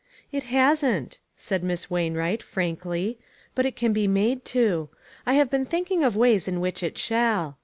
" It hasn't," said Miss Wainwright, frankly, "but it can be made to. I have been think ing of ways in which it shall.